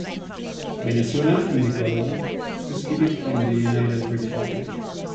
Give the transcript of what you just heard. Venezuela and Ecuador seceded from the united Republic.